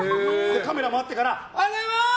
カメラ回ってからおはようございます！